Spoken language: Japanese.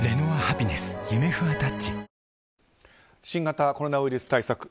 新型コロナウイルス対策。